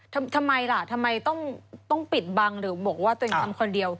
ทำไมล่ะทำไมต้องปิดบังหรือบอกว่าตัวเองทำคนเดียว